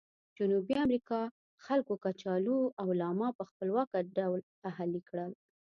جنوبي امریکا خلکو کچالو او لاما په خپلواکه ډول اهلي کړل.